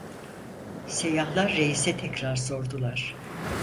Seyyahlar, reise tekrar sordular: